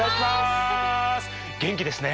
元気ですね。